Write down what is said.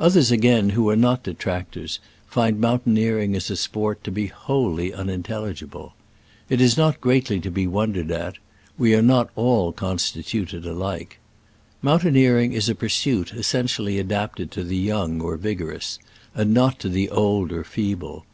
Others, again, who are not detractors, find mountaineering, as a sport, to be wholly unintelligible. It is not greatly to be wondered at — ^we are not all con stituted alike. Mountaineering is a pur suit essentially adapted to the young or vigorous, and not to the old or feeble.